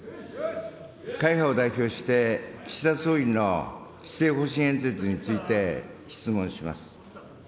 会派を代表して、岸田総理の施政方針演説について質問します。